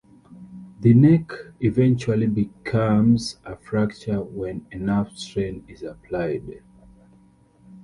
The neck eventually becomes a fracture when enough strain is applied.